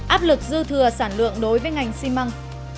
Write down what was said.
áp lực dư thừa sản lượng đối với ngành xi măng